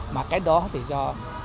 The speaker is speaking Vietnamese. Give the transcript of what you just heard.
mà cái đó thì do